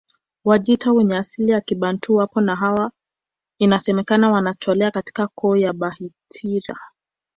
Wajita wenye asili ya Kibantu wapo na hawa inasemekana wanatokea katika koo za Bahitira